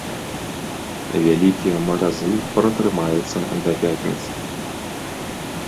Вялікія маразы пратрымаюцца да пятніцы.